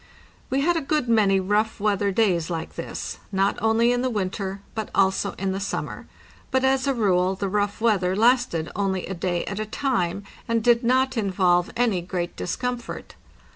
We had a good many rough weather days like this, not only in the winter, but also in the summer; but as a rule the rough weather lasted only a day at a time, and did not involve any great discomfort.